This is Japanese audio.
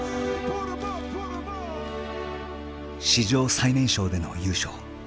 史上最年少での優勝。